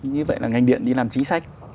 như vậy là ngành điện đi làm chính sách